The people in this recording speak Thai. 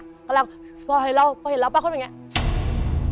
พอเห็นเราเพราะเห็นเราปากเขาเป็นอย่างงี้